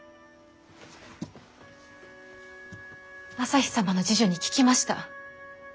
旭様の侍女に聞きました。